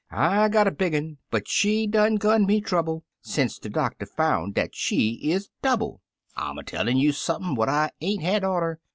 " I got a big un, but she done gun me trouble Sence de doctor found dat she is double; I'm a tellin' you sump'n what I ain't had oughter.